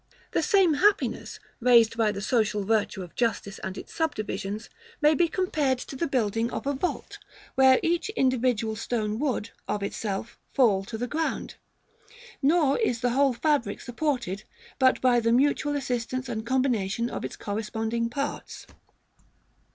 The same happiness, raised by the social virtue of justice and its subdivisions, may be compared to the building of a vault, where each individual stone would, of itself, fall to the ground; nor is the whole fabric supported but by the mutual assistance and combination of its corresponding parts.